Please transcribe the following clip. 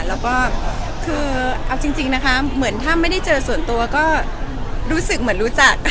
แล้วก็คือเอาจริงนะคะเหมือนถ้าไม่ได้เจอส่วนตัวก็รู้สึกเหมือนรู้จัก